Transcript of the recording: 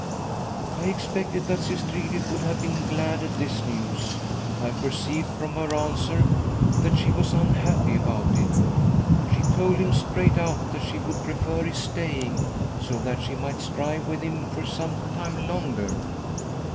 " I expected that Sister Edith would have been glad at this news, but I perceived from her answer that she was unhappy about it. She told him straight out that she would prefer his staying — so that she might strive with him for some time longer.